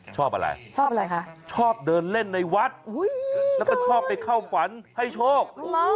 ชอบอะไรชอบอะไรคะชอบเดินเล่นในวัดแล้วก็ชอบไปเข้าฝันให้โชค